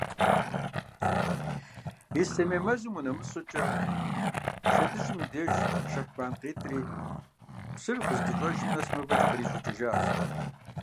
Ислъэмей мэзым унэмыс щӀыкӀэ, Шэдыжьым и деж, Шэхьбан къитӀри, псыр къыздыщӀэжым нэс мывэкӀэ кърищӀыкӀыжащ.